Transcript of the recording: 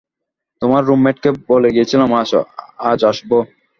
তোমার রুমমেটকে বলে গিয়েছিলাম, আজ আসব।